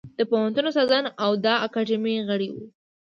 د پوهنتون استادان او د اکاډمۍ غړي وو.